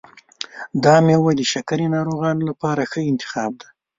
دا میوه د شکرې ناروغانو لپاره ښه انتخاب دی.